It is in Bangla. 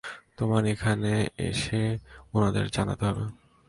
তোমার এখানে এসে উনাদের জানাতে হবে।